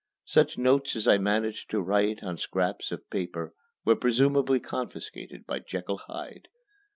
Such notes as I managed to write on scraps of paper were presumably confiscated by Jekyll Hyde.